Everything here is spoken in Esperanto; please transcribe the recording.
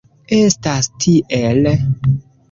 Estas tiel.